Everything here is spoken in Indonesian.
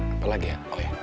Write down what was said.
apa lagi ya